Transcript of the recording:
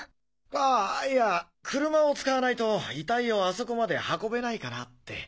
あいや車を使わないと遺体をあそこまで運べないかなって。